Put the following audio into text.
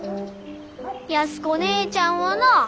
安子ねえちゃんはなあ